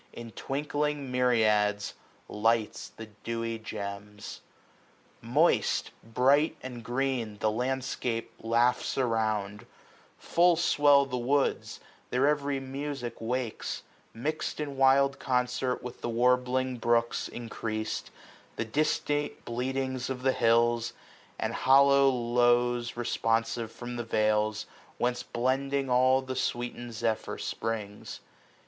In twinkling myriads lights the dewy gems. 195 Moist, bright, and green, the landskip laughs around j Full swell the woods ; their every music wakes, Mix'd in wild concert with the warbling brooks Increased, the distant bleatings of the hills, And hollow lows responsive from the vales, 209 Whence blending all the sweetenM zephyr springs.